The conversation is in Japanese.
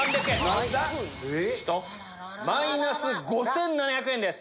何だ⁉マイナス５７００円です。